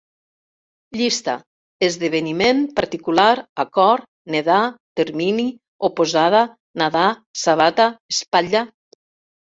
Llista: esdeveniment, particular, acord, nedar, termini, oposada, nadar, sabata, espatlla